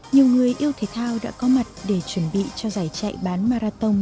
nhiều người yêu thể thao đã có mặt để chuẩn bị cho giải chạy bán marathon